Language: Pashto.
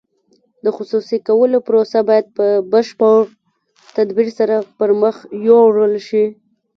د خصوصي کولو پروسه باید په بشپړ تدبیر سره پرمخ یوړل شي.